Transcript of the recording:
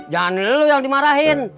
jangan lilu yang dimarahin